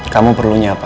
kamu perlunya apa